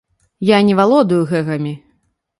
Я не валодаю гэгамі.